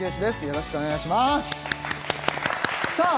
よろしくお願いしますさあ